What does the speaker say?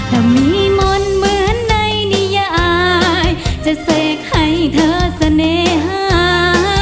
ถ้ามีมนต์เหมือนในนิยายจะเสกให้เธอเสน่หา